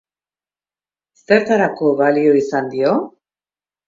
Zertarako balio izan dio?